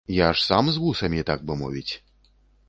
Я ж сам з вусамі, так бы мовіць!